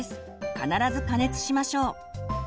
必ず加熱しましょう。